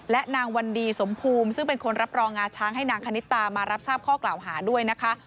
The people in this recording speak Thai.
และนางวันดีสมภูมิซึ่งเป็นคนรับรองงาช้างให้นางคณิตามารับทราบข้อกล่าวหาด้วยนะคะ